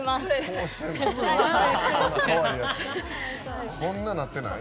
顔、こんななってない？